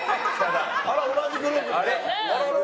あら同じグループ。